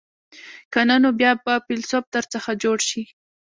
که نه نو بیا به فیلسوف در څخه جوړ شي.